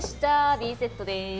Ｂセットでーす。